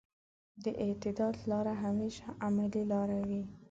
د اعتدال لاره همېش عملي لاره وي.